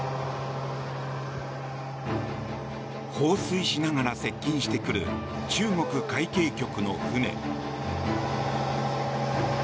放水しながら接近してくる中国海警局の船。